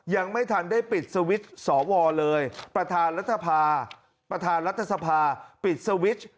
ยังไม่ทันได้ปิดสวิตช์สวเลยประธานรัฐสภาประธานรัฐสภาปิดสวิตช์